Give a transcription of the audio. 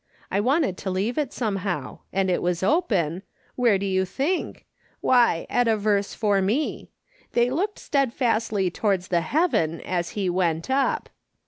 I wanted to leave it somehow, and it was open — where do you think ? Why, at a verse for me :' They looked steadfastly towards heaven as he went up.'